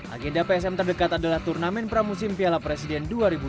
agenda psm terdekat adalah turnamen pramusim piala presiden dua ribu dua puluh